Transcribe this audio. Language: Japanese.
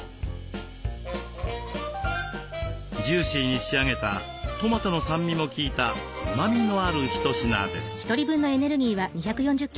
ジューシーに仕上げたトマトの酸味も効いたうまみのある一品です。